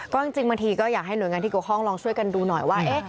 ก็จริงบางทีก็อยากให้หน่วยงานที่เกี่ยวข้องลองช่วยกันดูหน่อยว่า